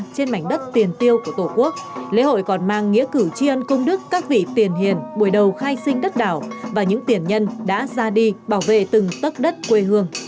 trên mảnh đất tiền tiêu của tổ quốc lễ hội còn mang nghĩa cử tri ân công đức các vị tiền hiền buổi đầu khai sinh đất đảo và những tiền nhân đã ra đi bảo vệ từng tất đất quê hương